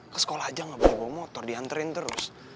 ke sekolah aja gak boleh bawa motor dihanterin terus